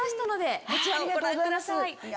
こちらをご覧ください。